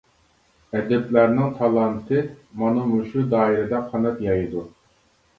ئەدىبلەرنىڭ تالانتى مانا مۇشۇ دائىرىدە قانات يايىدۇ.